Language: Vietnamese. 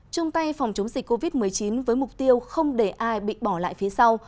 chung tay phòng chống dịch covid một mươi chín với mục tiêu không để ai bị bỏ lại phía sau